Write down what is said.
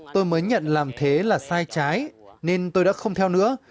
tôi mới nhận làm thế là sai trái nên tôi đã không theo nữa